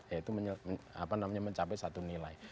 yaitu apa namanya mencapai satu nilai